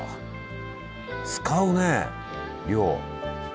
使うね量。